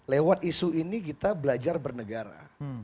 lewat isu ini kita belajar bernegara